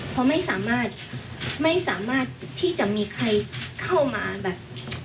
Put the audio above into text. เพราะไม่สามารถที่จะมีใครเข้ามาแบบ